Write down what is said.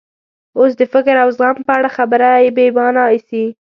اوس د فکر او زغم په اړه خبره بې مانا ایسي.